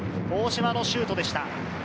大島のシュートでした。